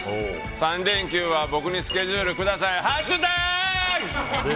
３連休は僕にスケジュールください。